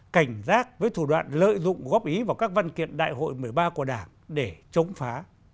cảnh giác với thủ đoạn lợi dụng góp ý vào các văn kiện đại hội một mươi ba của đảng để chống phá